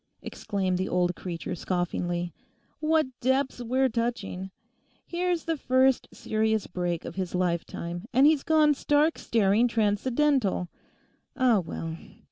exclaimed the old creature scoffingly. 'What depths we're touching. Here's the first serious break of his lifetime, and he's gone stark staring transcendental. Ah well.